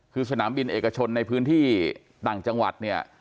คือสนามบินเอกชนในพื้นที่ต่างจังหวัดเนี่ย